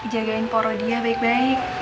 jagain poro dia baik baik